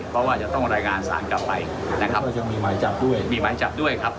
เพราะว่าจะต้องรายงานศาลกลับไปนะครับมีหมายจับด้วยครับ